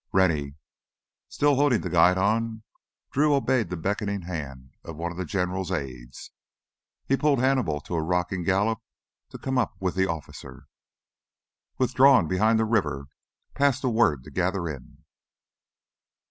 "Rennie!" Still holding the guidon, Drew obeyed the beckoning hand of one of the General's aides. He put Hannibal to a rocking gallop to come up with the officer. "Withdrawin' behind the river. Pass the word to gather in!"